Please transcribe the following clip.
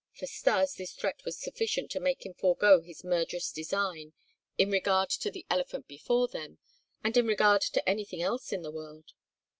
For Stas this threat was sufficient to make him forego his murderous design in regard to the elephant before them and in regard to anything else in the world.